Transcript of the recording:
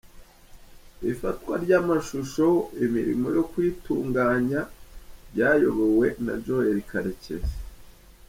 Ifatwa ry’amashusho n’imirimo yo kuyitunganya ryayobowe na Joel Karekezi.